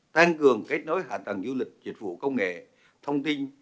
tăng cường kết nối hạ tầng du lịch dịch vụ công nghệ thông tin